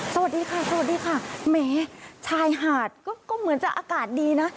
สวัสดีค่ะสวัสดีค่ะแหมชายหาดก็เหมือนจะอากาศดีนะ